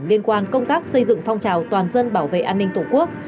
liên quan công tác xây dựng phong trào toàn dân bảo vệ an ninh tổ quốc